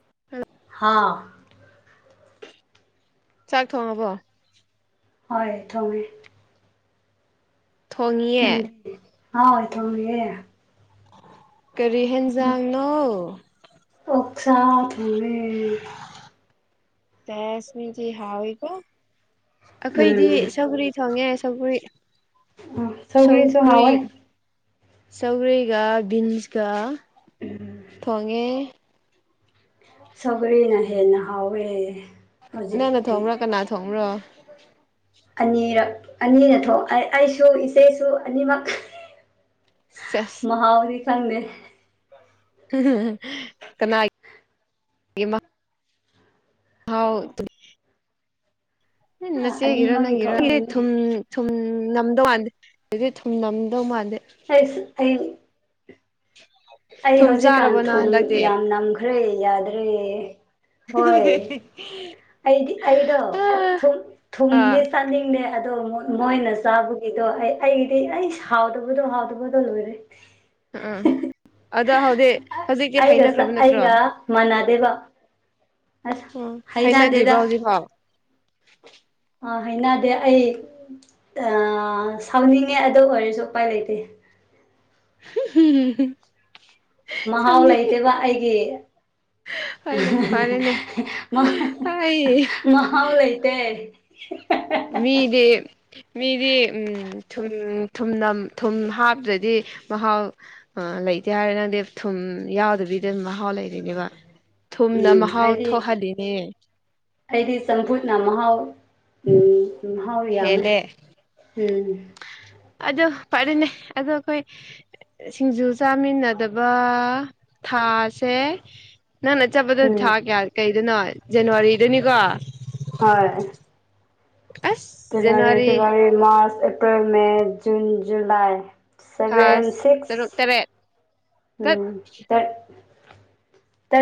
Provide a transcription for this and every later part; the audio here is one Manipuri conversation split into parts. [unintelligible] ꯍꯥꯥꯎ ꯆꯥꯛ ꯊꯣꯡꯉꯕꯣ ꯍꯣꯏ ꯊꫭꯡꯔꯤ ꯊꯣꯡꯉꯤꯌꯦ ꯅꯪꯗꯤ ꯍꫭꯏ ꯊ‌ꯣꯡꯉꯤꯌ‌ꯦ ꯀꯔꯤ ꯍꯦꯟꯖꯥꯡꯅꯣ ꯑꯣꯛꯁꯥ ꯊꯣꯡꯉꯦ ꯁꯦꯁ ꯃꯤꯗꯤ ꯍꯥꯎꯏꯀꯣ ꯑꯩꯈꯣꯏꯗꯤ ꯎꯝ ꯁꯧꯒ꯭ꯔꯤ ꯊꯣꯡꯉꯦ ꯁꯧꯒ꯭ꯔꯤ ꯎꯝ ꯁꯧꯒ꯭ꯔꯤꯁꯨ ꯁꯧꯒ꯭ꯔꯤ ꯍꯥꯎꯋꯦ ꯁꯧꯒ꯭ꯔꯤꯒ ꯕꯤꯟꯁꯀ ꯊꯣꯡꯉꯦ ꯁꯧꯒ꯭ꯔꯤꯅ ꯍꯦꯅ ꯍꯥꯎꯋꯦ ꯅꯪꯅ ꯍꯧꯖꯤꯛꯇꯤ ꯊꯣꯡꯕ꯭ꯔꯣ ꯀꯅꯥ ꯊꯣꯡꯕ꯭ꯔꯣ ꯑꯅꯤꯔꯛ ꯑꯅꯤꯅ ꯊꯣꯛ ꯑꯩꯁꯨ ꯏꯆꯦꯁꯨ ꯑꯅꯤꯃꯛ ꯁꯦꯁ ꯃꯍꯥꯎꯗꯤ ꯈꯪꯗꯦ [unintelligible] ꯍꯥꯎ [unintelligible] ꯑꯅꯤꯃꯛꯒꯤ ꯊꯨꯝ ꯊꯣꯛꯂꯝꯒꯅꯤ ꯊꯨꯝ ꯅꯝꯗꯧ ꯃꯥꯟꯗꯦ [unintelligible] ꯊꯨꯝ ꯅꯝꯗꯧ ꯃꯥꯟꯗꯦ ꯑꯩꯁ ꯑꯩ [inaudible] ꯑꯩ ꯍꯧꯖꯤꯛꯀꯥꯟ ꯆꯥꯔꯕꯣ ꯅꯪ ꯊꯨꯝ ꯍꯟꯗꯛꯇꯤ ꯌꯥꯝ ꯅꯝꯈ꯭ꯔꯦ ꯌꯥꯗ꯭ꯔꯦ ꯍꯣꯏ ꯑꯩꯗꯤ ꯑꯩꯗꯣ ꯑꯥ ꯊꯨꯝ ꯊꯨꯝꯗꯤ ꯆꯥꯅꯤꯡꯗꯦ ꯑꯗꯣ ꯃꯣꯏꯅ ꯆꯥꯕꯒꯤꯗꯣ ꯑꯩ ꯑꯩꯒꯤꯗꯤ ꯑꯩ ꯍꯥꯎꯗꯕꯗꯣ ꯍꯥꯎꯗꯕꯗꯣ ꯂꯣꯏꯔꯦ ꯑꯗ ꯍꯧꯖꯤꯛ ꯍꯧꯖꯤꯛꯇꯤ ꯑꯩꯒ ꯆ ꯍꯩꯅꯈ꯭ꯔꯕ ꯅꯠꯇ꯭ꯔꯣ ꯑꯩꯒ ꯃꯥꯟꯅꯗꯦꯕ ꯑꯁ ꯎꯝ ꯍꯩꯅꯗꯦꯗ ꯍꯥꯏꯅꯗ꯭ꯔꯤꯕ ꯍꯧꯖꯤꯛꯐꯥꯎ ꯑ ꯍꯥꯏꯅꯗꯦ ꯑꯩ ꯁꯥꯎꯅꯤꯡꯉꯦ ꯑꯗꯨ ꯑꯣꯏꯔꯁꯨ ꯎꯄꯥꯏ ꯂꯩꯇꯦ [unintelligible] ꯃꯍꯥꯎ ꯁꯝꯅꯤ ꯂꯩꯇꯦꯕ ꯑꯩꯒꯤ ꯍꯣꯏꯅꯦ ꯐꯔꯦꯅꯦ ꯑꯩ [unintelligible] ꯃꯍꯥꯎ ꯂꯩꯇꯦ [unintelligible] ꯃꯤꯗꯤ ꯃꯤꯗꯤ ꯎꯝ ꯊꯨꯝ ꯊꯨꯝꯅꯝ ꯊꯨꯝ ꯍꯥꯞꯇ꯭ꯔꯗꯤ ꯃꯍꯥꯎ ꯑ ꯂꯩꯇꯦ ꯍꯥꯏꯔꯅꯗꯤ ꯊꯨꯝ ꯌꯥꯎꯗꯕꯤꯗ ꯑꯗꯨꯝ ꯃꯍꯥꯎ ꯂꯩꯔꯤꯅꯦꯕ ꯊꯨꯝꯅ ꯎꯝ ꯃꯍꯥꯎ ꯍꯥꯏꯗꯤ ꯊꯣꯛꯍꯜꯂꯤꯅꯦ ꯑꯩꯗꯤ ꯆꯝꯐꯨꯠꯅ ꯃꯍꯥꯎ ꯎꯝ ꯃꯍꯥꯎ ꯌꯥꯝꯃꯦ ꯍꯦꯜꯂꯦ ꯎꯝ ꯑꯗꯨ ꯐꯔꯦꯅꯦ ꯑꯗꯣ ꯑꯩꯈꯣꯏ ꯁꯤꯡꯖꯨ ꯆꯥꯃꯤꯟꯅꯗꯕ ꯊꯥꯁꯦ ꯅꯪꯅ ꯆꯠꯄꯗ ꯎꯝ ꯊꯥ ꯀꯌꯥ ꯀꯩꯗꯅꯣ ꯖꯅꯋꯥꯔꯤꯗꯅꯤꯀꯣ ꯍꯣꯏ January February March April May June July ꯊꯥ ꯁꯚꯦꯟ ꯇꯔꯨꯛ ꯁꯤꯛꯁ ꯇꯔꯦꯠ ꯇꯠ ꯎꯝ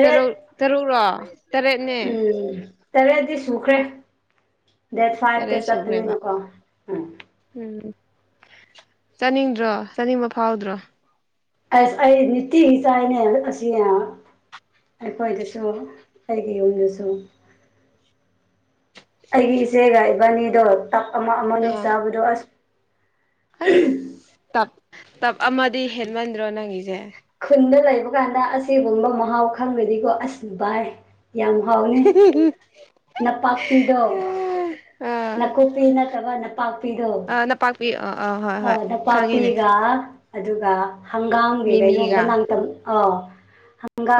ꯇꯔꯨꯛ ꯇꯔꯨꯛꯔꯣ ꯇꯔꯦꯠꯅꯦ ꯎꯝ ꯇꯔꯦꯠꯗꯤ ꯁꯨꯈ꯭ꯔꯦ ꯗꯦꯠ ꯐꯥꯏꯐ ꯇ ꯇꯔꯦꯠ ꯁꯨꯈ꯭ꯔꯦꯕ ꯆꯠꯄꯅꯤꯅꯀꯣ ꯎꯝ ꯎꯝ ꯆꯥꯅꯤꯡꯗ꯭ꯔꯣ ꯆꯥꯅꯤꯡꯕ ꯐꯥꯎꯗ꯭ꯔꯣ ꯑꯥ ꯑꯩꯗꯤ ꯅꯨꯇꯤꯒꯤ ꯆꯥꯏꯅꯦ ꯑꯁꯤ ꯑꯩꯈꯣꯏꯗꯁꯨ ꯑꯩꯒꯤ ꯌꯨꯝꯗꯁꯨ [inaudible] ꯑꯩꯒꯤ ꯏꯆꯦꯒ ꯏꯕꯥꯅꯤꯗꯣ ꯇꯞ ꯑꯃ ꯑꯃꯅꯤ ꯑꯣ ꯆꯥꯕꯗꯣ ꯑꯁ ꯑꯁ ꯇꯞ ꯇꯞ ꯑꯃꯗꯤ ꯍꯦꯟꯃꯟꯗ꯭ꯔꯣ ꯅꯪꯒꯤꯁꯦ ꯈꯨꯟꯗ ꯂꯩꯕ ꯀꯥꯟꯗ ꯑꯁꯤꯒꯨꯝꯕ ꯃꯍꯥꯎ ꯈꯪꯒ꯭ꯔꯥꯗꯤꯀꯣ ꯑꯁ ꯕꯥꯏ ꯌꯥꯝ ꯍꯥꯎꯋꯦ ꯅꯄꯥꯛꯄꯤꯗꯣ ꯑꯥ ꯅꯥꯀꯨꯞꯄꯤ ꯅꯠꯇꯕ ꯅꯄꯥꯛꯄꯤꯗꯣ ꯑꯥ ꯅꯄꯥꯛꯄꯤ ꯑꯥ ꯑꯥ ꯍꯣꯏ ꯍꯣꯏ ꯍꯣꯢ ꯈꯪꯉꯤꯅꯦ ꯅꯄꯥꯛꯄꯤꯒ ꯑꯗꯨꯒ ꯍꯪꯒꯥꯝꯒꯤ ꯀꯩꯅꯣꯝꯗ ꯃꯤꯃꯤꯒ ꯅꯥꯡꯇꯝ ꯑꯥꯎ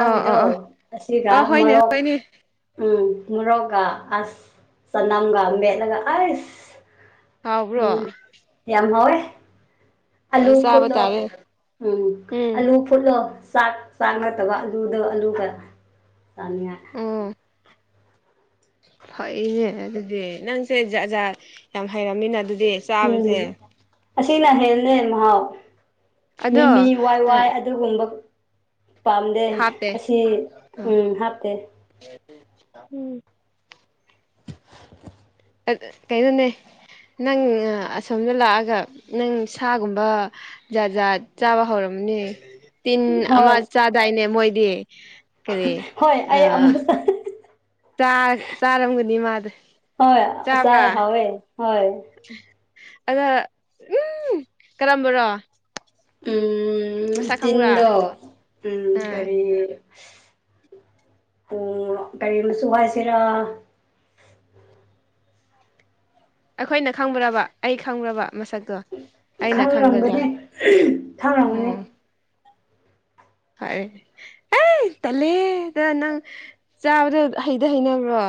ꯑꯥ ꯑꯥ ꯑꯥ ꯑꯁꯤꯒ ꯑꯥ ꯍꯣꯏꯅꯦ ꯃꯣꯔꯣꯛ ꯍꯣꯏꯅꯦ ꯎꯝ ꯃꯣꯔꯣꯛꯒ ꯑꯁ ꯆꯥꯅꯝꯒ ꯃꯦꯠꯂꯒ ꯑꯩꯁ ꯍꯥꯎꯕ꯭ꯔꯣ ꯎꯝ ꯌꯥꯝ ꯍꯥꯎꯋꯦ ꯑꯩ ꯑꯂꯨ ꯆꯥꯕ ꯐꯨꯠꯂꯣ ꯇꯥꯔꯦ ꯎꯝ ꯎꯝ ꯑꯂꯨ ꯐꯨꯠꯂꯣ ꯆꯥꯛ ꯆꯥꯡ ꯅꯠꯇꯕ ꯑꯂꯨꯗꯣ ꯑꯂꯨꯒ ꯆꯥꯅꯤꯡꯉꯥꯏ ꯑꯣ ꯐꯩꯍ‌ꯦ ꯑꯗꯨꯗꯤ ꯅꯪꯁꯦ ꯖꯥꯠ ꯖꯥꯠ ꯌꯥꯝ ꯍꯩꯔꯝꯃꯤꯅ ꯑꯗꯨꯗꯤ ꯆꯥꯕꯁꯦ ꯎꯝ ꯑꯁꯤꯅ ꯍꯦꯟꯕꯅꯦ ꯃꯍꯥꯎ ꯑꯗꯣ ꯃꯤꯃꯤ ꯋꯥꯏ ꯋꯥꯏ ꯑꯁꯤꯒꯨꯝꯕ ꯄꯥꯝꯗꯦ ꯍꯥꯞꯄꯦ ꯑꯁꯤ ꯍꯥꯞꯇꯦ ꯎꯝ ꯀꯩꯅꯣꯅꯦ ꯅꯪ ꯑꯁꯣꯝꯗ ꯂꯥꯛꯑꯒ ꯅꯪ ꯁꯥꯒꯨꯝꯕ ꯖꯥꯠ ꯖꯥꯠ ꯆꯥꯕ ꯍꯧꯔꯝꯅꯤ ꯇꯤꯟ ꯑꯃ ꯍꯣꯏ ꯆꯥꯗꯥꯏꯅꯦ ꯃꯣꯏꯗꯤ ꯀꯔꯤ ꯍꯣꯏ ꯑꯩ ꯑꯥ ꯑꯃꯨꯛ ꯆꯥ ꯆꯥꯔꯝꯒꯅꯤ ꯃꯥꯗꯤ ꯍꯣꯏ ꯆꯥꯏ ꯍꯥꯎꯋꯦ ꯍꯣꯏ꯫ ꯑꯗ ꯎꯝ ꯀꯔꯝꯕꯔ‌ꯣ ꯎꯝ ꯈꯪꯕ꯭ꯔꯥ ꯇꯤꯟꯗꯣ ꯎꯝ ꯑꯥ ꯀꯔꯤ ꯎ ꯀꯔꯤ ꯃꯆꯨ ꯍꯥꯏꯁꯤꯔꯥ ꯑꯈꯣꯏꯅ ꯈꯪꯕ꯭ꯔꯕ ꯑꯩ ꯈꯪꯕ꯭ꯔꯕ ꯃꯁꯛ? ꯑꯩꯅ ꯈꯪꯒꯗ꯭ꯔꯥ ꯈꯪꯔꯝꯒꯅꯤ ꯈꯪꯔꯝꯒꯅꯤ ꯎꯝ꯫ ꯍꯥꯏ ꯑꯦ ꯇꯜꯂꯦꯗ ꯅꯪ ꯆꯥꯕꯗꯨ ꯍꯩꯗꯤ ꯍꯩꯅꯕ꯭ꯔꯣ?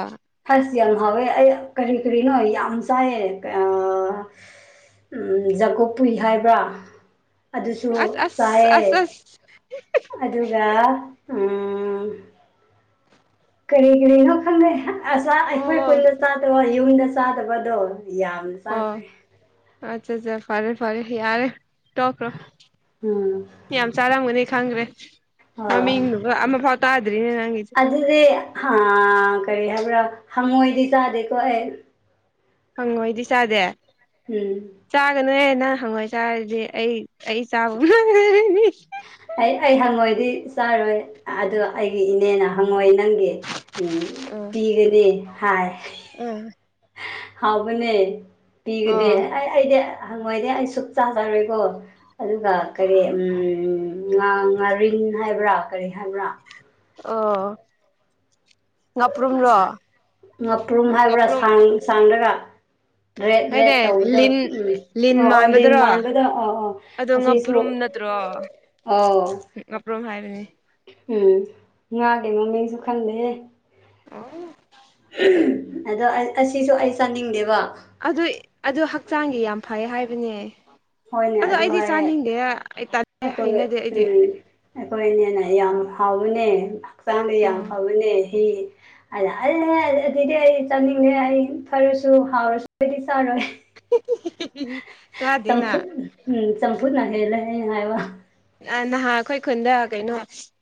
ꯑꯁ ꯌꯥꯝ ꯍꯥꯎꯋꯦ ꯑꯩ ꯀꯔꯤ ꯀꯔꯤꯅꯣ ꯌꯥꯝ ꯆꯥꯏꯌꯦ ꯑ ꯎꯝ ꯖꯥꯒꯣꯞꯄꯨꯏ ꯍꯥꯏꯕ꯭ꯔꯥ ꯑꯗꯨꯁꯨ ꯑꯁ ꯑꯁ ꯆꯥꯏꯌꯦ ꯑꯁ ꯑꯁ ꯑꯗꯨꯒ ꯎꯝ ꯀꯔꯤ ꯀꯔꯤꯅꯣ ꯈꯪꯗꯦ ꯑꯁ ꯑꯣ ꯑꯩꯈꯣꯏ ꯈꯨꯟꯗ ꯆꯥꯗꯕ ꯌꯨꯝꯗ ꯆꯥꯗꯕꯗꯣ ꯌꯥꯝ ꯑꯣ ꯑꯠꯆꯥ ꯑꯠꯆꯥ ꯐꯔꯦ ꯐꯔꯦ ꯌꯥꯔꯦ꯫ ꯇꯣꯛꯈ꯭ꯔꯣ ꯎꯝ ꯌꯥꯝ ꯆꯥꯔꯝꯒꯅꯤ ꯈꯪꯒ꯭ꯔꯦ꯫ ꯑꯣ ꯃꯃꯤꯡꯗꯨꯒ ꯑꯃ ꯐꯥꯎ ꯇꯥꯗ꯭ꯔꯤꯅꯦ ꯅꯪꯒꯤꯖꯦ ꯫ ꯑꯗꯨꯗꯤ ꯍꯥ ꯀꯔꯤ ꯍꯥꯏꯕ꯭ꯔꯥ ꯍꯪꯉꯣꯏꯗꯤ ꯆꯥꯗꯦꯀꯣ ꯑꯩ꯫ ꯍꯪꯉꯣꯏꯗꯤ ꯆꯥꯗꯦ ꯎꯝ ꯆꯥꯒꯅꯣꯍꯦ ꯅꯪ ꯍꯪꯉꯣꯏ ꯆꯥꯔꯗꯤ ꯑꯩ ꯑꯩ ꯆꯥꯕ ꯑꯩ ꯑꯩ ꯍꯪꯉꯣꯏꯗꯤ ꯆꯥꯔꯣꯏ ꯑꯗꯨ ꯑꯩꯒꯤ ꯏꯅꯦꯅ ꯍꯪꯉꯣꯏ ꯅꯪꯒꯤ ꯄꯤꯒꯅꯤ ꯍꯥꯏ ꯎꯝ ꯍꯥꯕꯅꯦ ꯄꯤꯒꯗꯤ ꯑꯣ ꯑꯩꯗꯤ ꯍꯪꯉꯣꯏꯗꯤ ꯑꯩ ꯁꯨꯛ ꯆꯥꯖꯔꯣꯏꯀꯣ ꯑꯗꯨꯒ ꯀꯔꯤ ꯉꯥ ꯉꯥꯔꯤꯟ ꯍꯥꯏꯕ꯭ꯔꯥ ꯀꯔꯤ ꯍꯥꯏꯕ꯭ꯔꯥ ꯑꯣ ꯉꯥꯄ꯭ꯔꯨꯝꯔꯣ ꯉꯥꯄ꯭ꯔꯨꯝ ꯍꯥꯏꯕ꯭ꯔꯥ ꯉꯥꯄ꯭ꯔꯨꯝ ꯁꯥꯡꯂꯒ ꯔꯦꯠ ꯔꯦꯠ ꯍꯥꯏꯅꯦ ꯇꯧꯕꯗ ꯂꯤꯟ ꯎꯝ ꯑꯣ ꯑꯣ ꯂꯤꯟ ꯃꯥꯟꯕꯗ ꯑꯣ ꯑ ꯑꯗꯨ ꯉꯥꯄ꯭ꯔꯨꯝ ꯅꯠꯇ꯭ꯔꯣ ꯑꯣ ꯉꯥꯄ꯭ꯔꯨꯝ ꯍꯥꯏꯕꯅꯤ ꯎꯝ ꯉꯥꯗꯤ ꯃꯃꯤꯡꯁꯨ ꯈꯪꯗꯦꯍ‌ꯦ ꯑ‌ꯣ ꯑꯗꯣ ꯑꯁꯤꯁꯨ ꯑꯩ ꯆꯥꯅꯤꯡꯗꯦꯕ ꯑꯗꯨ ꯑꯗꯨ ꯍꯛꯆꯥꯡꯒꯤ ꯌꯥꯝ ꯐꯩ ꯍꯥꯏꯕꯅꯦ ꯍꯣꯏꯅꯦ ꯑꯗꯣ ꯑꯗꯨ ꯑꯩꯗꯤ ꯍꯥꯏꯌꯦ ꯆꯥꯅꯤꯡꯗꯦ ꯑꯩ ꯍꯩꯅꯗꯦ ꯑꯩꯗꯤ ꯑꯩꯈꯣꯏ ꯑꯅꯦꯅ ꯌꯥꯝ ꯍꯥꯎꯕꯅꯦ ꯍꯛꯆꯥꯡꯗ ꯌꯥꯝ ꯎꯝ ꯐꯕꯅꯦ ꯍꯤ ꯑꯩꯅ ꯑꯜ ꯑꯗꯨꯗꯤ ꯑꯩ ꯆꯥꯅꯤꯡꯗ‌ꯦ ꯑꯩ ꯐꯔꯁꯨ ꯍꯥꯎꯔꯁꯨ ꯑꯩꯗꯤ ꯆꯥꯔꯣꯏ [unintelligible] ꯆꯥꯗꯦꯅ ꯆꯝꯐꯨꯠ ꯎꯝ ꯆꯝꯐꯨꯠꯅ ꯍꯦꯜꯂꯦ ꯍꯥꯏꯕ ꯅꯍꯥꯟ ꯑꯩꯈꯣꯏ ꯈꯨꯟꯗ ꯀꯩꯅꯣ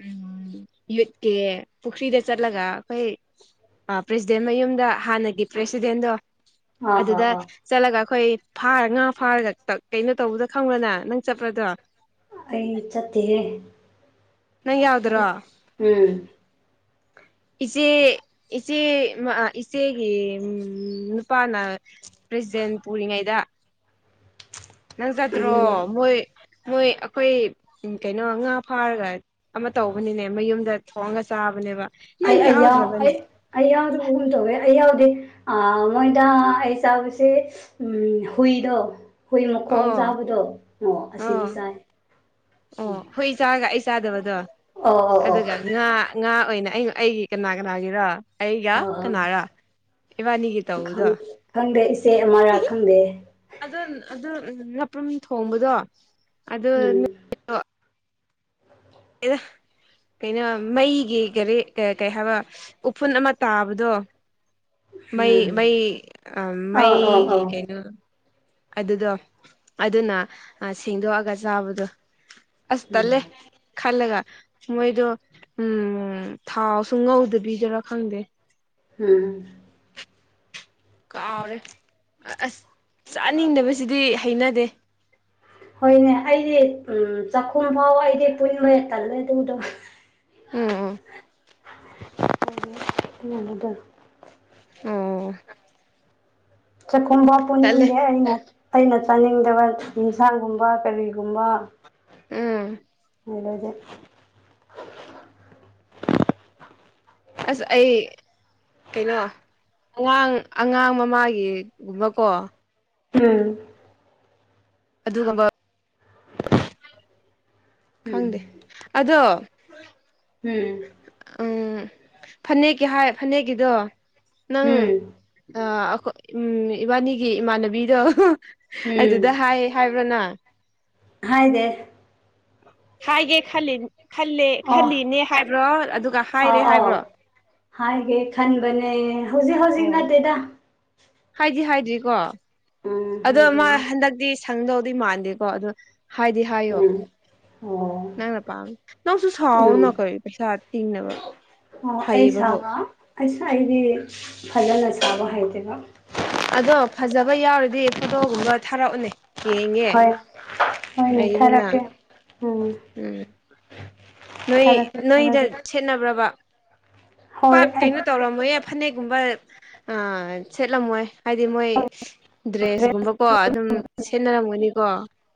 ꯎꯝ ꯌꯨꯠꯀꯦ ꯄꯨꯈ꯭ꯔꯤꯗ ꯆꯠꯂꯒ ꯑꯩꯈꯣꯏ ꯄ꯭ꯔꯦꯁꯤꯗꯦꯟ ꯃꯌꯨꯝꯗ ꯍꯥꯟꯅꯒꯤ ꯄ꯭ꯔꯦꯁꯤꯗꯦꯟꯗꯣ ꯑꯥ ꯑꯥ ꯑꯗꯨꯗ ꯑꯥ ꯆꯠꯂꯒ ꯑꯩꯈꯣꯏ ꯐꯥꯔ ꯉꯥ ꯐꯥꯔꯒ ꯀꯩꯅꯣ ꯇꯧꯕꯗ ꯈꯪꯕ꯭ꯔꯥ ꯅꯪ ꯆꯠꯄꯗꯣ ꯑꯩ ꯆꯠꯇꯦ ꯅꯪ ꯌꯥꯎꯗ꯭ꯔꯣ ꯎꯝ ꯏꯆꯦ ꯏꯆꯦ ꯏꯆꯦꯒꯤ ꯅꯨꯄꯥꯅ ꯄ꯭ꯔꯖꯦꯟ ꯄꯨꯔꯤꯉꯩꯗ ꯅꯪ ꯆꯠꯇ꯭ꯔꯣ ꯃꯣꯏ ꯃꯣꯏ ꯑꯩꯈꯣꯏ ꯀꯩꯅꯣ ꯉꯥ ꯐꯥꯔꯒ ꯑꯃ ꯇꯧꯕꯅꯤꯅꯦ ꯃꯌꯨꯝꯗ ꯊꯣꯡꯑꯒ ꯆꯥꯕꯅꯦꯕ ꯅꯪ ꯑꯩ ꯑꯌꯥ ꯑꯩ ꯌꯥꯎꯗ꯭ꯔꯕꯅꯦ ꯑꯩ ꯌꯥꯎꯗꯕꯒꯨꯝ ꯇꯧꯋꯦ ꯑꯩ ꯌꯥꯎꯗꯦ ꯃꯣꯏꯗ ꯑꯩ ꯆꯥꯕꯁꯦ ꯎꯝ ꯍꯨꯗ ꯍꯨꯏ ꯃꯈꯣꯡ ꯑꯣ ꯆꯥꯕꯗꯣ ꯑꯣ ꯑꯁꯤꯗꯤ ꯆꯥꯏ ꯎꯝ ꯍꯈꯣꯏ ꯆꯥꯔꯒ ꯑꯩ ꯆꯥꯗꯕꯗꯣ ꯑꯣ ꯑꯣ ꯑꯣ ꯑꯗꯨꯒ ꯉꯥ ꯉꯥ ꯑꯣꯏꯅ ꯑꯩꯩꯅ ꯑꯩꯒꯤ ꯀꯅꯥ ꯀꯅꯥꯒꯤꯔ ꯑꯩꯒ ꯑꯣ ꯑꯣ ꯀꯅꯥꯔ ꯏꯕꯥꯅꯤꯒꯤ ꯇꯧꯗ ꯈꯪ ꯈꯪꯗꯦ ꯏꯆꯦ ꯑꯃꯔꯛ ꯈꯪꯗꯦ ꯑꯗꯨ ꯑꯗꯨ ꯅꯄ꯭ꯔꯨꯝ ꯊꯣꯡꯕꯗꯣ ꯑꯗꯨ ꯎꯝ ꯑꯦꯗ ꯀꯩꯅꯣ ꯃꯩꯒꯤ ꯀꯔꯤ ꯀꯩ ꯍꯥꯏꯕ ꯎꯐꯨꯟ ꯑꯃ ꯇꯥꯕꯗꯣ ꯃꯩ ꯎꯝ ꯃꯩ ꯑ ꯑꯧ ꯑꯧ ꯃꯩꯒꯤ ꯑꯧ ꯀꯩꯅꯩꯅꯣ ꯑꯗꯨꯗꯣ ꯑꯗꯨꯅ ꯁꯦꯡꯗꯣꯛꯑꯒ ꯆꯥꯕꯗꯣ ꯑꯁꯇ ꯂꯩ ꯎꯝ ꯈꯜꯂꯒ ꯃꯣꯏꯗꯣ ꯎꯝ ꯊꯥꯎꯁꯨ ꯉꯧꯗꯕꯤꯗꯔꯥ ꯈꯪꯗꯦ ꯎꯝ ꯀꯥꯎꯔꯦ ꯑꯁ ꯆꯥꯅꯤꯡꯗꯕꯁꯤꯗꯤ ꯍꯩꯅꯗꯦ ꯍꯣꯏꯅꯦ ꯑꯩꯗꯤ ꯎꯝ ꯆꯥꯛꯈꯨꯝ ꯐꯥꯎ ꯑꯩꯗꯤ ꯄꯨꯟꯕ ꯍꯦ ꯇꯜꯂꯦ ꯑꯗꯨꯗ ꯎꯝ ꯎꯝ [inaudible] ꯑꯣ ꯆ ꯀꯨꯝꯕ ꯇꯂꯦ ꯑꯩꯅ ꯑꯩꯅ ꯆꯥꯅꯤꯡꯗꯕ ꯌꯦꯟꯁꯥꯡꯒꯨꯝꯕ ꯀꯔꯤꯒꯨꯝꯕ ꯎꯝ [unintelligible] ꯑꯁ ꯑꯩ ꯀꯩꯅꯣ ꯑꯉꯥꯡ ꯑꯉꯥꯡ ꯃꯃꯥꯒꯤꯒꯨꯝꯕꯀꯣ ꯎꯝ ꯑꯗꯨ [unintelligible] ꯎꯝ ꯈꯪꯗꯦ ꯑꯗꯣ ꯎꯝ ꯎꯝ ꯐꯅꯦꯛꯀꯤ ꯍꯥꯏ ꯐꯅꯦꯛꯀꯤꯗꯣ ꯅꯪ ꯎꯝ ꯑ ꯑꯩꯈꯣꯏ ꯎꯝ ꯏꯕꯥꯅꯤꯒꯤ ꯏꯃꯥꯟꯅꯕꯤꯗꯣ ꯎꯝ ꯎꯝ ꯑꯗꯨꯗ ꯍꯥꯏꯌꯦ ꯍꯥꯏꯕ꯭ꯔꯥꯅ ꯍꯥꯏꯗꯦ ꯍꯥꯏꯒꯦ ꯈꯂꯤ ꯈꯂꯦ ꯑꯣ ꯈꯜꯂꯤꯅꯦ ꯍꯥꯏꯕ꯭ꯔꯣ ꯑꯗꯨꯒ ꯑꯥꯎ ꯍꯥꯏꯔꯦ ꯑꯥꯎ ꯍꯥꯏꯕ꯭ꯔꯣ ꯍꯥꯏꯒꯦ ꯈꯟꯕꯅꯦ ꯍꯧꯖꯤꯛ ꯍꯧꯖꯤꯛ ꯑꯣ ꯅꯠꯇꯦꯗꯥ ꯍꯥꯏꯗꯤ ꯍꯥꯏꯗ꯭ꯔꯤꯀꯣ ꯎꯝ ꯑꯗꯣ ꯃꯥ ꯍꯥꯏꯗ꯭ꯔꯤ ꯍꯟꯗꯛꯇꯤ ꯁꯪꯗꯧꯗ ꯃꯥꯟꯗꯦꯀꯣ ꯑꯗꯣ ꯍꯥꯏꯗꯤ ꯍꯥꯏꯌꯣ ꯎꯝ ꯑꯣ ꯅꯪꯅ ꯄꯥꯝ ꯅꯪꯁꯨ ꯎꯝ ꯁꯥꯎꯅꯣ ꯀꯧ ꯄꯩꯁꯥ ꯇꯤꯡꯅꯕ ꯑꯣ ꯑꯩ ꯍꯩꯕꯕꯨ ꯁꯥꯕ ꯑꯩ ꯁꯑꯩꯗꯤ ꯐꯖꯅ ꯁꯥꯕ ꯍꯥꯏꯩꯇꯦꯕ ꯑꯗꯣ ꯐꯖꯕ ꯌꯥꯎꯔꯗꯤ ꯐꯣꯇꯣꯒꯨꯝꯕ ꯊꯥꯔꯛꯎꯅꯦ ꯌꯦꯡꯒꯦ ꯍꯣꯏ ꯍꯣꯏꯅꯦ ꯂꯩꯗꯅ ꯊꯥꯔꯛꯀꯦ ꯎꯝ ꯎꯝ ꯅꯣꯏ ꯊꯥꯔꯛꯀꯦ ꯅꯣꯏꯗ ꯊꯥꯔꯛꯀꯦ ꯁꯦꯠꯅꯕ꯭ꯔꯕ ꯍꯣꯏ ꯄꯥꯛ ꯑꯩ ꯀꯩꯅꯣ ꯇꯧꯔꯝꯃꯣꯏꯌꯦ ꯐꯅꯦꯛꯒꯨꯝꯕ ꯑꯥ ꯁꯦꯠꯂꯝꯃꯣꯏ ꯍꯥꯏꯗꯤ ꯃꯣꯏ ꯗ꯭ꯔꯦꯁꯀꯨꯝꯕꯀꯣ ꯑꯗꯨꯝ ꯁꯦꯟꯅꯔꯝꯒꯅꯤꯀꯣ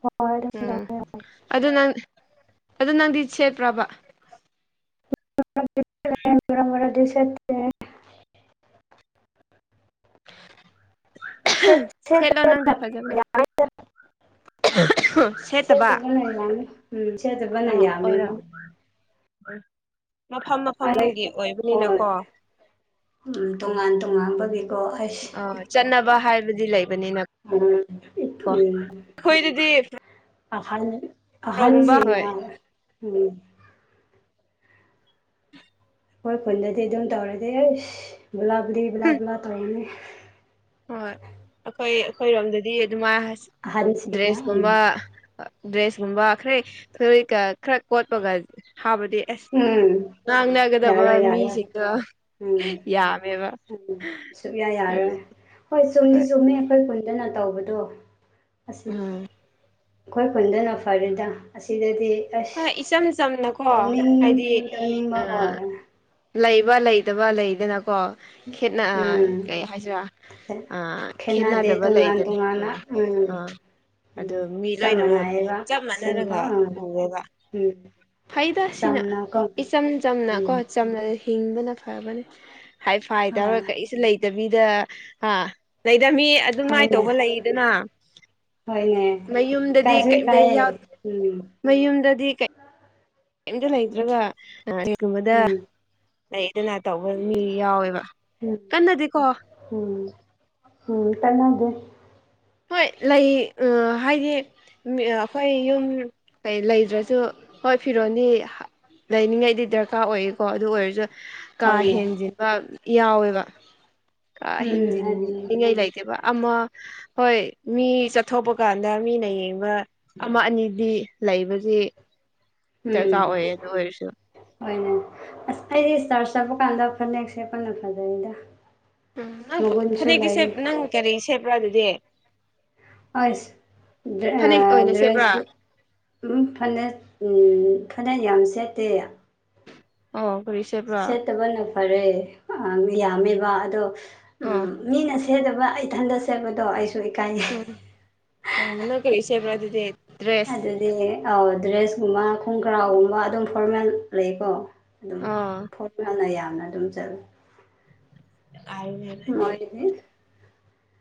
ꯍꯣꯏ ꯑꯗꯨꯝ ꯎꯝ ꯇꯧꯋꯦ ꯑꯗꯨ ꯅꯪ ꯑꯗꯨ ꯅꯪꯗꯤ ꯁꯦꯠꯄ꯭ꯔꯕ [inaudible] [inaudible] [unintelligible] ꯁꯦꯠ ꯁꯦꯠꯂꯣ ꯅꯪꯗꯤ ꯁꯦꯠꯇꯕꯅ ꯐꯖꯅ ꯁꯦꯠꯇꯕ ꯁꯦꯠꯇꯕꯅ ꯌꯥꯝꯃꯤ ꯎꯝ ꯁꯦꯖꯕꯅ ꯑ ꯌꯥꯝꯃꯦꯕ ꯑꯣꯏꯔꯝꯅꯤ ꯃꯐꯝ ꯑꯩ ꯃꯐꯝꯒꯤ ꯍꯣꯏ ꯑꯣꯏꯕꯅꯤꯅꯀꯣ ꯎꯝ ꯇꯣꯉꯥꯟ ꯇꯣꯉꯥꯟꯕꯒꯤꯀꯣ ꯑꯩꯁ ꯑ ꯆꯠꯅꯕ ꯍꯥꯏꯕꯗꯤ ꯂꯩꯕꯅꯤꯅ ꯑꯩꯈꯣꯏꯗꯗꯤ [unintelligible] ꯑꯍꯜ ꯐ꯭ꯔꯣꯛꯒꯨꯝꯕ ꯍꯣꯏ ꯑꯍꯟꯁꯤꯅ ꯎꯝ ꯈꯣꯏ ꯈꯨꯟꯗꯗꯤ ꯑꯗꯨꯝ ꯇꯧꯔꯗꯤ ꯑꯩꯁ ꯕꯂꯥ ꯕꯨꯂꯤ ꯕꯂꯥ ꯕꯂꯥ ꯇꯧꯔꯅꯤ ꯍꯣꯏ ꯑꯩꯈꯣꯏ ꯑꯩꯈꯣꯏꯔꯣꯝꯗꯗꯤ ꯑꯗꯨꯃꯥꯏ ꯑꯍꯟꯁꯤꯡꯅ ꯎꯝ ꯗ꯭ꯔꯦꯁꯀꯨꯝꯕ ꯗ꯭ꯔꯦꯁ ꯀꯨꯝꯕ ꯈꯔ [unintelligible] ꯈꯔ ꯀꯣꯠꯄꯒ ꯍꯥꯕꯗꯤ ꯑꯁ ꯎꯝ ꯉꯥꯡꯅꯒꯗꯕ ꯌꯥꯔꯣꯏ ꯌꯥꯔꯣꯏ ꯃꯤꯁꯤꯡꯗꯣ ꯎꯝ ꯌꯥꯝꯃꯦꯕ ꯁꯨꯛꯌꯥ ꯑꯗꯨ ꯌꯥꯔꯣꯏ ꯍꯣꯏ ꯆꯨꯝꯗꯤ ꯆꯨꯝꯃꯦ ꯑꯩꯈꯣꯏ ꯄꯨꯟꯇꯅ ꯇꯧꯕꯗꯣ ꯑꯁꯤ ꯎꯝ ꯑꯩꯈꯣꯏ ꯈꯨꯟꯗꯅ ꯐꯔꯦꯗ ꯑꯁꯤꯗꯗꯤ ꯑꯁ ꯍꯣꯏ ꯏꯆꯝ ꯆꯝꯅꯀꯣ ꯇꯧꯅꯤꯡ ꯍꯥꯏꯗꯤ ꯇꯧꯅꯤꯡꯕ ꯑ ꯑꯣꯏ ꯂꯩꯕ ꯂꯩꯇꯕ ꯂꯩꯗꯅꯀꯣ ꯈꯦꯠꯅ ꯎꯝ ꯀꯩ ꯍꯥꯏꯁꯤꯔꯥ ꯑꯥ ꯈꯦꯠꯅꯗꯦ ꯈꯦꯠꯅꯗꯕ ꯇꯣꯉꯥꯟ ꯂꯩꯗꯅ ꯇꯣꯉꯥꯟꯅ ꯎꯝ [unintelligible] ꯎꯝ ꯑꯗꯨ ꯃꯤ ꯆꯞ ꯂꯣꯏꯅꯃꯛ ꯃꯥꯟꯅꯩꯌꯦꯕ ꯆꯞ ꯁꯦꯝꯕ ꯃꯥꯟꯅꯔꯒ ꯎꯝ ꯎꯌꯦꯕ ꯎꯝ ꯐꯩꯗ ꯁꯤꯅ ꯆꯝꯅꯀꯣ ꯏꯆꯝ ꯆꯝꯅ ꯀꯣ ꯎꯝ ꯆꯝꯅ ꯍꯤꯡꯗꯅ ꯐꯕꯅꯤ ꯍꯥꯏ ꯐꯥꯏ ꯑ ꯇꯔ ꯀꯔꯤꯁꯨ ꯂꯩꯇꯕꯤꯗ ꯑꯥ ꯂꯩꯗꯃꯤ ꯑꯗꯨꯃꯥꯏ ꯍꯣꯏꯅꯦ ꯇꯧꯕ ꯂꯩꯗꯅ ꯍꯣꯏꯅꯦ ꯃꯌꯨꯝꯗꯗꯤ ꯏꯀꯥꯏꯁꯨ ꯀꯦꯝ ꯏꯀꯥꯏꯌꯦ ꯎꯝ ꯃꯌꯨꯝꯗꯗꯤ ꯀꯝꯇ ꯂꯩꯇ꯭ꯔꯒ ꯀꯔꯤꯒꯨꯝꯕꯗ ꯎꯝ ꯂꯩꯗꯅ ꯇꯧꯕ ꯃꯤ ꯌꯥꯎꯋꯦꯕ ꯎꯝ ꯀꯟꯅꯗꯤꯀꯣ ꯎꯝ ꯎꯝ ꯆꯉꯒꯦ [inaudible] ꯍꯣꯏ ꯂꯩ ꯍꯥꯏꯗꯤ ꯑꯩꯈꯣꯏ ꯌꯨꯝ ꯂꯩꯗ꯭ꯔꯁꯨ ꯍꯣꯏ ꯐꯤꯔꯣꯗꯤ ꯂꯩꯅꯤꯡꯉꯥꯏꯗꯤ ꯗꯔꯀꯥꯔ ꯑꯣꯏꯌꯦꯀꯣ ꯑꯗꯨ ꯑꯣꯏꯔꯁꯨ ꯀꯥ ꯍꯣꯏꯅꯦ ꯍꯦꯟꯖꯤꯟꯕ ꯌꯥꯎꯋꯦꯕ ꯀꯥ ꯎꯝ ꯑꯗꯨꯅꯤ ꯍꯦꯟꯖꯤꯟꯅꯤꯡꯉꯥꯏ ꯂꯩꯇꯦꯕ ꯑꯃ ꯍꯣꯏ ꯃꯤ ꯆꯠꯊꯣꯛꯄ ꯀꯥꯟꯗ ꯃꯤꯅ ꯌꯦꯡꯕ ꯑꯃ ꯑꯅꯤꯗꯤ ꯂꯩꯕꯁꯤ ꯗꯔꯀꯥꯔ ꯑꯣꯏꯌꯦ ꯑꯗꯨ ꯑꯣꯏꯔꯁꯨ ꯎꯝ ꯍꯣꯏꯅꯦ ꯑꯩꯗꯤ ꯆꯥꯔꯖ ꯆꯠꯄ ꯀꯥꯟꯗ ꯐꯅꯦꯛ ꯁꯦꯠꯄꯅ ꯐꯖꯩꯗ ꯎꯝ ꯅꯪ ꯃꯒꯨꯟꯁꯨ ꯐꯅꯦꯛꯇ ꯂꯩ ꯅꯪ ꯀꯔꯤ ꯁꯦꯠꯄ꯭ꯔꯥ ꯑꯗꯨꯗꯤ ꯍꯣꯏ ꯐꯅꯦꯛ ꯑꯣꯏꯅ ꯁꯦꯠꯄ꯭ꯔꯥ ꯗ꯭ꯔꯦꯁ ꯎ ꯐꯅ ꯐꯅꯦꯛ ꯌꯥꯝ ꯁꯦꯠꯇꯦ ꯑꯣ ꯀꯔꯤ ꯁꯦꯠꯄ꯭ꯔꯥ ꯁꯦꯠꯇꯕꯅ ꯐꯔꯦ ꯌꯥꯝꯃꯦꯕ ꯑꯗꯣ ꯑꯣ ꯎꯝ ꯃꯤꯅ ꯁꯦꯠꯇꯕ ꯏꯊꯟꯇ ꯁꯦꯠꯄꯗꯣ ꯑꯩꯁꯨ ꯏꯀꯥꯏ ꯎꯝ ꯑꯣ ꯅꯣꯢ ꯀꯔꯤ ꯁꯦꯠꯕ ꯑꯗꯨꯗꯤ ꯗ꯭ꯔꯦꯁ ꯑꯩ ꯗ꯭ꯔꯦꯁꯀꯨꯝꯕ ꯈꯣꯡꯀꯔꯥꯎꯒꯨꯝꯕ ꯑꯗꯨꯝ ꯐꯣꯔꯃꯦꯜ ꯂꯩꯀꯣ ꯑꯗꯨꯝ ꯑꯥ ꯐꯣꯔꯃꯦꯟꯅ ꯌꯥꯝꯅ ꯑꯗꯨꯝ ꯆꯠꯂꯦ ꯀꯥꯏ [inaudible] ꯍꯣꯏ ꯏꯅꯦ [inaudible]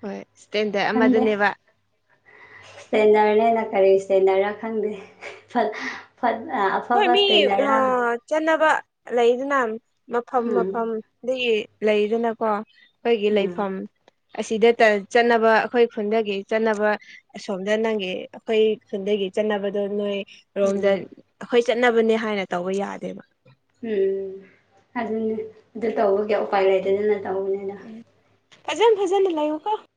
ꯍꯣꯏ ꯏꯁꯇꯦꯟꯗꯔꯠ ꯑꯃꯗꯅꯦꯕ ꯏꯁꯇꯦꯟꯗꯔꯅꯦꯅ ꯀꯔꯤ ꯏꯁꯇꯦꯟꯗꯔꯅꯣ ꯈꯪꯗꯦ ꯍꯣꯏ ꯑꯐꯕ ꯃꯤ ꯏꯁꯇꯦꯟꯗꯔ ꯆꯠꯅꯕ ꯂꯩꯗꯅ ꯃꯐꯝ ꯎꯝ ꯃꯐꯝꯗꯒꯤ ꯂꯩꯗꯅꯀꯣ ꯑꯩꯈꯣꯏꯒꯤ ꯎꯝ ꯂꯩꯐꯝ ꯑꯁꯤꯗ ꯆꯠꯅꯕ ꯑꯩꯈꯣꯏ ꯈꯨꯟꯗꯒꯤ ꯆꯠꯅꯕ ꯑꯁꯣꯝꯗ ꯅꯪꯒꯤ ꯑꯩꯈꯣꯏ ꯈꯨꯗꯒꯤ ꯆꯠꯅꯕꯗꯣ ꯅꯣꯏ ꯎꯝ ꯔꯣꯝꯗ ꯑꯩꯈꯣꯏ ꯆꯠꯅꯕꯅꯦ ꯍꯥꯏꯅ ꯇꯧꯕ ꯌꯥꯗꯦꯕ ꯎꯝ ꯑꯗꯨꯅꯤ ꯑꯗꯨ ꯇꯧꯕꯒꯤ ꯎꯄꯥꯏ ꯂꯩꯇꯗꯅ ꯇꯧꯕꯅꯤꯗ ꯐꯖꯅ ꯐꯖꯅ ꯂꯩꯌꯨꯒꯣ